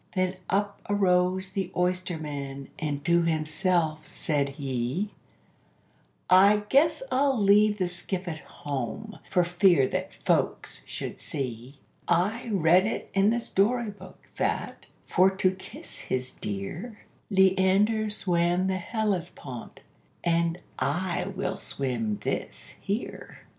Then up arose the oysterman, and to himself said he, "I guess I'll leave the skiff at home, for fear that folks should see; I read it in the story book, that, for to kiss his dear, Leander swam the Hellespont and I will swim this here."